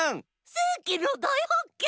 せいきのだいはっけん！